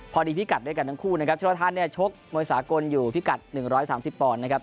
พอดีพิกัดด้วยกันทั้งคู่นะครับชนธานชกมวยสากลอยู่พิกัด๑๓๐ปอนด์